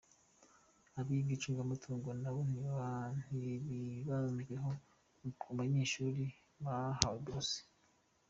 Abiga icungamutungo nabo ntibibanzweho mu banyeshuri bahawe buruse.